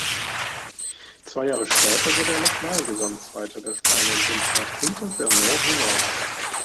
Zwei Jahre später wurde er nochmal Gesamtzweiter der Spanienrundfahrt hinter Bernard Hinault.